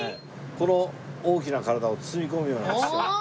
この大きな体を包み込むようなクッション。